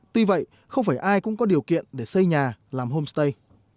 tuy vậy không phải ai cũng có điều kiện để xây nhà làm homestay